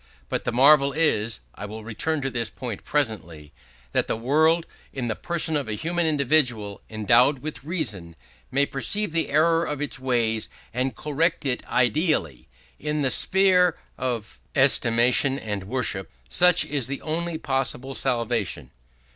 But the marvel is (I will return to this point presently) that the world, in the person of a human individual endowed with reason, may perceive the error of its ways and correct it ideally, in the sphere of estimation and worship. Such is the only possible salvation.